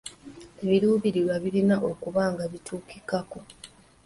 Ebiruubirirwa birina okuba nga bituukikako.